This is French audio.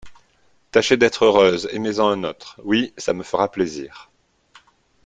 Tâchez d'être heureuse, aimez-en un autre ; oui, ça me fera plaisir.